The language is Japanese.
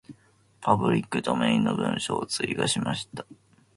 パブリックドメインの文章を追加しました。